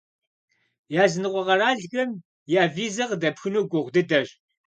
Языныкъуэ къэралхэм я визэ къыдэпхыну гугъу дыдэщ.